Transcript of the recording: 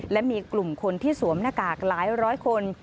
และมีกลุ่มคนที่สวมหน้ากากหลายร้อยคน